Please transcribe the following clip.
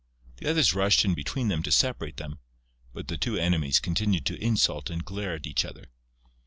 The others rushed in between them to separate them, but the two enemies continued to insult and glare at each other.